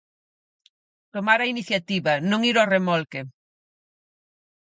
Tomar a iniciativa, non ir ao remolque.